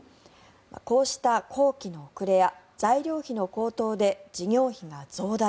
こうした工期の遅れや材料費の高騰で事業費が増大。